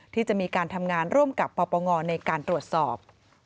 ที่จะมีการทำงานร่วมกับปปงในการตรวจสอบ